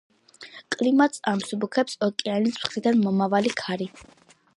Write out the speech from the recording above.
კლიმატს ამსუბუქებს ოკეანის მხრიდან მომავალი ქარი.